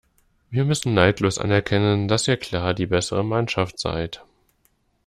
Wir müssen neidlos anerkennen, dass ihr klar die bessere Mannschaft seid.